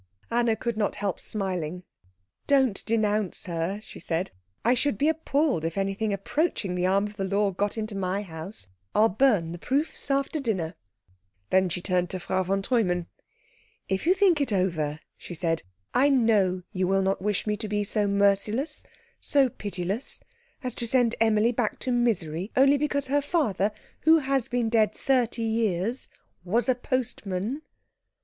Anna could not help smiling. "Don't denounce her," she said. "I should be appalled if anything approaching the arm of the law got into my house. I'll burn the proofs after dinner." Then she turned to Frau von Treumann. "If you think it over," she said, "I know you will not wish me to be so merciless, so pitiless, as to send Emilie back to misery only because her father, who has been dead thirty years, was a postman."